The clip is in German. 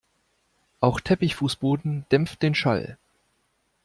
Auch Teppichfußboden dämpft den Schall.